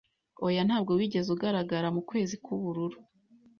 Oya, ntabwo wigeze ugaragara mukwezi k'ubururu